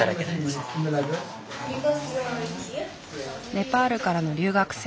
ネパールからの留学生。